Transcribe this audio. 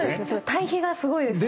対比がすごいですね。